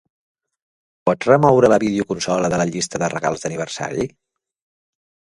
Pots remoure la videoconsola de la llista de regals d'aniversari?